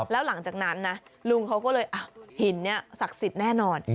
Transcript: แล้วหลังจากนั้นนะลุงเขาก็เลยหินนี้ศักดิ์สิทธิ์แน่นอน